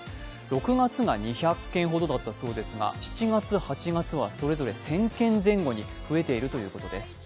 ６月が２００件ほどだったほどだったそうですが、７月８月はそれぞれ１０００件前後に増えているということです。